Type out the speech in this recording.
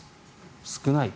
少ない。